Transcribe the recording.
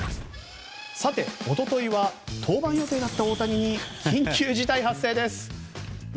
一昨日は登板予定だった大谷に緊急事態発生です。